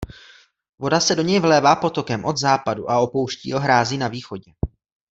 Voda se do něj vlévá potokem od západu a opouští ho hrází na východě.